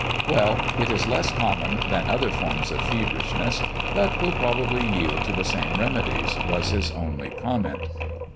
"Well; it is less common than other forms of feverishness, but will probably yield to the same remedies," was his only comment.